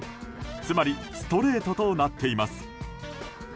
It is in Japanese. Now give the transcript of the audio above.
つまりストレートとなっています。